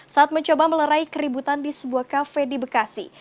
saat mencoba melerai keributan di sebuah kafe di bekasi